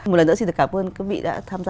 một lần nữa xin được cảm ơn các vị đã tham gia